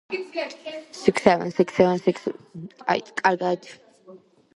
მოცემული პერიოდი უკანასკნელი ორი ათასი წლის განმავლობაში ყველაზე ცივია საშუალოწლიური ტემპერატურის მიხედვით.